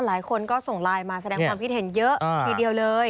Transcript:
หลายคนก็ส่งไลน์มาแสดงความคิดเห็นเยอะทีเดียวเลย